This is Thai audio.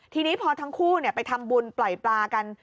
ทีนี้พอทั้งคู่ไปทำบุญปล่อยปลากัน